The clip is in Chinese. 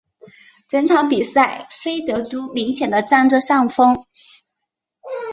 整场比赛菲德都明显的占着上风。